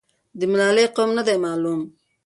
د ملالۍ قوم نه دی معلوم.